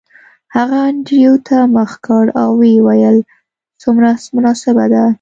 هغه انډریو ته مخ کړ او ویې ویل څومره مناسبه ده